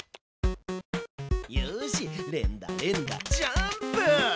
よし連打連打ジャンプ！